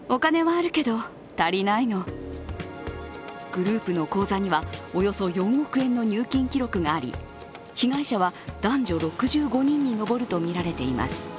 グループの口座にはおよそ４億円の入金記録があり被害者は男女６５人に上るとみられています。